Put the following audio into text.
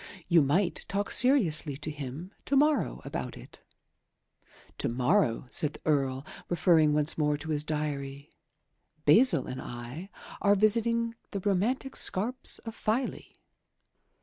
You might talk seriously to him to morrow about it." "To morrow," said the Earl, referring once more to his diary, "Basil and I are visiting the romantic scarps of Filey."